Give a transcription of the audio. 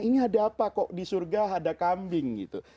ini ada apa kok di surga ada kambing gitu